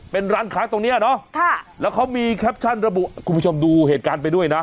เป็นร้านค้าตรงเนี้ยเนาะแล้วเขามีแคปชั่นระบุคุณผู้ชมดูเหตุการณ์ไปด้วยนะ